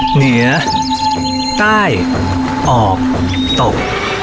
เหนือใต้ออกตก